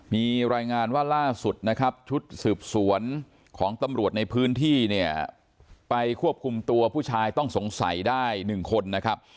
มีรายงานว่าล่าสุดนะครับชุดสืบสวนของตำรวจในพื้นที่เนี่ยไปควบคุมตัวผู้ชายต้องสงสัยได้๑คนนะครับ